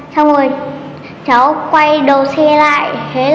cháu ngồi chú ấy đi về hướng đen xanh nhền rồi